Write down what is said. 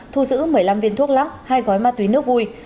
thu giữ một mươi năm viên thuốc lắc hai gói ma túy nước vui